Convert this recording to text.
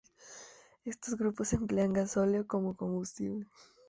Estos grupos emplean gasóleo como combustible.